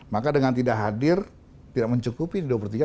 maka dengan tidak hadir tidak mencukupi di dua pertiga